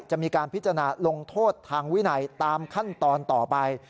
จะมีการพิจารณาลงโทษทางวินัยตามขั้นตอนต่อไป